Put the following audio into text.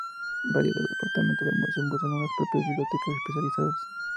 Varios de los departamentos del museo poseen sus propias bibliotecas especializadas.